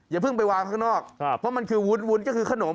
อย่าเพิ่งไปวางข้างนอกเพราะมันคือวุ้นก็คือขนม